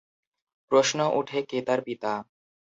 প্রশ্ন উঠে কে তার পিতা?